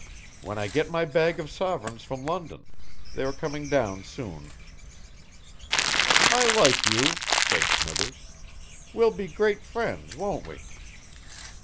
"When I get my bag of sovereigns from London. They are coming down soon." "I like you," said Smithers. "We'll be great friends, won't we?"